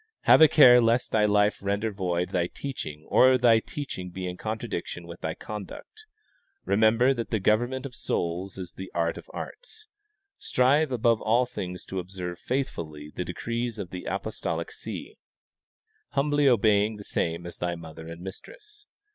Have a care lest thy life render void thy teaching or thy teaching be in contradiction with thy conduct. Remem ber that the government of souls is the art of arts. Strive above all things to observe faithfully the decrees of the apostolic see, humbl}^ obeying the same as thy mother and mistress.